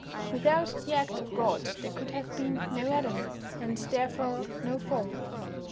Without the act of God there could have been no Adam, and therefore no Fall.